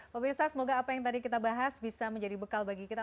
pemirsa semoga apa yang tadi kita bahas bisa menjadi bekal bagi kita